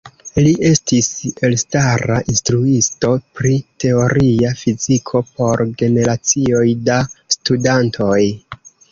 Li estis elstara instruisto pri teoria fiziko por generacioj da studantoj.